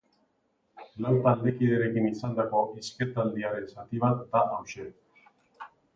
Lau taldekiderekin izandako hizketaldiaren zati bat da hauxe.